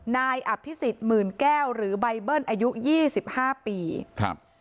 นายอภิษฎหมื่นแก้วหรือใบเบิ้ลอายุยี่สิบห้าปีครับ